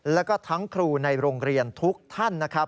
แล้วก็ทั้งครูในโรงเรียนทุกท่านนะครับ